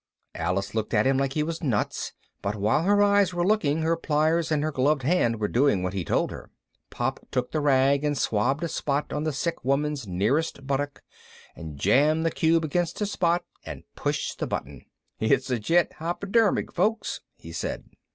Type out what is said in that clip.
Alice looked at him like he was nuts, but while her eyes were looking her pliers and her gloved hand were doing what he told her. Pop took the rag and swabbed a spot on the sick woman's nearest buttock and jammed the cube against the spot and pushed the button. "It's a jet hypodermic, folks," he said.